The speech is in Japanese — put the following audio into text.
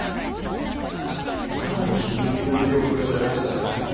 さらに広げようとしちゃいましたね